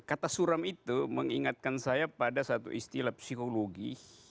kata suram itu mengingatkan saya pada satu istilah psikologi